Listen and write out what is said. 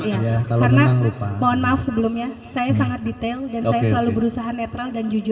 karena mohon maaf sebelumnya saya sangat detail dan saya selalu berusaha netral dan jujur